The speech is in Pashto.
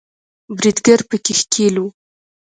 بریدګر په کې ښکیل وو